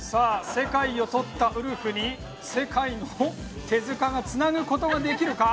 世界をとったウルフに世界の手塚がつなぐことができるか？